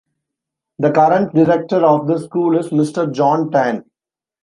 The current director of the school is Mr John Tan.